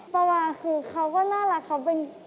ประมาณคือเขาก็น่ารักเขาเป็น